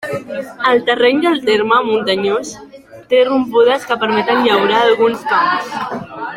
El terreny del terme, muntanyós, té rompudes que permeten llaurar alguns camps.